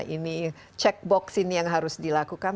ini cek box ini yang harus dilakukan